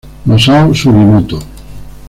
Masao Sugimoto